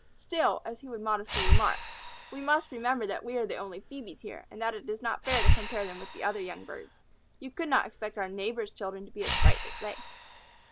"Still," as he would modestly remark, "we must remember that we are the only Phœbes here, and that it is not fair to compare them with the young of other birds. You could not expect our neighbors' children to be as bright as they."